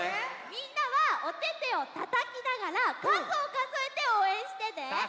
みんなはおててをたたきながらかずをかぞえておうえんしてね。